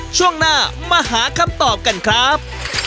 ช่วงหน้ามาหาคำตอบกันครับ